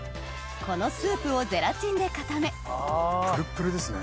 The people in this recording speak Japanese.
このスープをゼラチンで固めプルップルですね。